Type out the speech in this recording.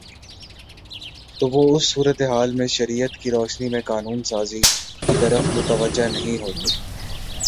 تو وہ اس صورتِ حال میں شریعت کی روشنی میں قانون سازی کی طرف متوجہ نہیں ہوتے